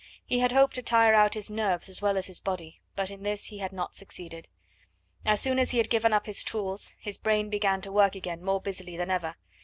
He had hoped to tire out his nerves as well as his body, but in this he had not succeeded. As soon as he had given up his tools, his brain began to work again more busily than ever.